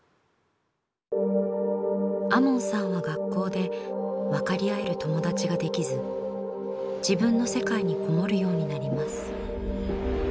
亞門さんは学校で分かり合える友達ができず自分の世界にこもるようになります。